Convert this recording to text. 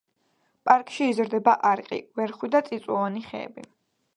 პარკში იზრდება არყი, ვერხვი და წიწვოვანი ხეები.